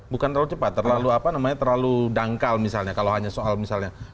bukan terlalu cepat terlalu apa namanya terlalu dangkal misalnya kalau hanya soal misalnya